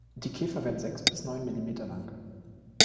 Die Käfer werden sechs bis neun Millimeter lang.